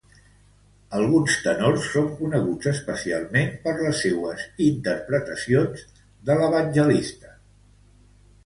Alguns tenors són coneguts especialment per les seues interpretacions de l'Evangelista.